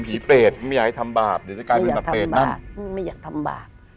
ผีเปรตไม่อยากให้ทำบาปเดี๋ยวจะกลายเป็นแบบเปรตนะไม่อยากทำบาป